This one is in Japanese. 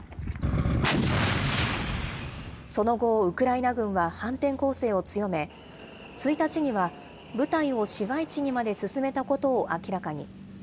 その後、ウクライナ軍は反転攻勢を強め、１日には部隊を市街地にまで進めたことを明らかに。